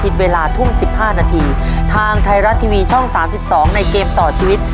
อาทิตย์เวลาทุ่ม๑๕นาทีทางไทยรัฐทีวีช่อง๓๒ในเกมต่อชีวิต